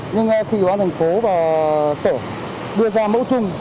nhưng khi quán thành phố và sở đưa ra mẫu chung